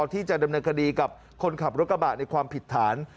ที่จะดำเนินคดีกับคนขับรถกระบะในความผิดฐาน